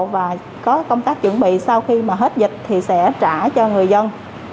và có công tác chuẩn bị sau khi mà hết dịch thì sẽ trả cho người dân